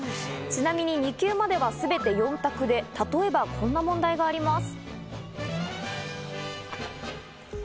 ちなみに２級まではすべて４択で、例えばこんな問題があります。